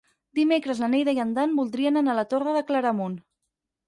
Dimecres na Neida i en Dan voldrien anar a la Torre de Claramunt.